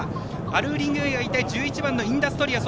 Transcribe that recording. アルーリングウェイは１１番のインダストリア。